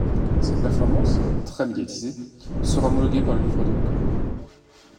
Cette performance, très médiatisée, sera homologuée par le livre des records.